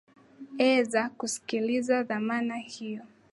eza kusikiliza dhamana hiyo